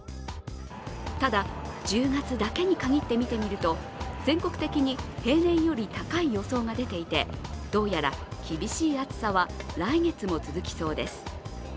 ただ１０月だけに限って見てみると全国的に平年より高い予想が出ていてどうやら厳しい暑さは来月も続きそうです。